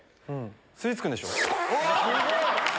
吸い付くんでしょ？